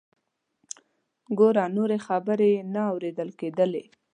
ګوره…. نورې خبرې یې نه اوریدل کیدلې.